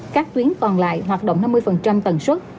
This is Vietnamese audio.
các tuyến còn lại hoạt động năm mươi tầng suốt